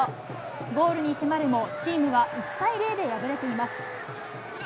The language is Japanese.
ゴールに迫るも、チームは１対０で敗れています。